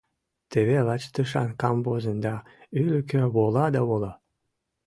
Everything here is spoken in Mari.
Теве лач тышан камвозын да ӱлыкӧ вола да вола.